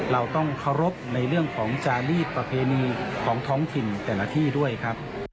เราต้องเคารพในเรื่องของจารีสประเพณีของท้องถิ่นแต่ละที่ด้วยครับ